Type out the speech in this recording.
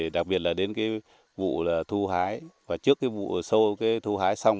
đặc biệt là đến vụ thu hái và trước vụ sâu thu hái xong